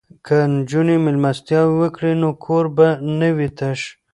که نجونې میلمستیا وکړي نو کور به نه وي تش.